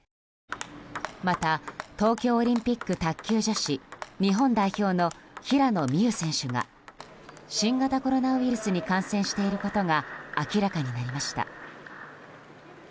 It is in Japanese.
また、東京オリンピック卓球女子日本代表の平野美宇選手が新型コロナウイルスに感染していることが明らかになりました。